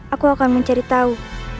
aku akan mencari tahu